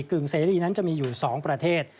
กึ่งเสรีนั้นจะมีอยู่๒ประเทศ